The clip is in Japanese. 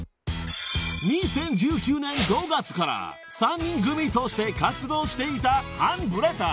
［２０１９年５月から３人組として活動していたハンブレッダーズ］